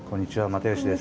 又吉です。